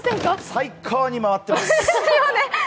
最高に回ってます。